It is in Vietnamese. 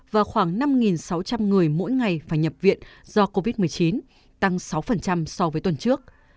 và khoảng năm sáu trăm linh người mỗi ngày phải nhập viện do covid một mươi chín tăng sáu so với tuần trước